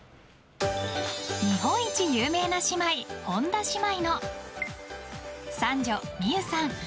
日本一有名な姉妹本田姉妹の三女・望結さん